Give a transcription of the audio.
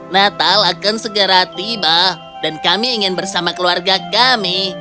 natal akan segera tiba dan kami ingin bersama keluarga kami